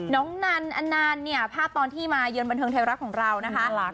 นันอนันต์เนี่ยภาพตอนที่มาเยือนบันเทิงไทยรัฐของเรานะคะ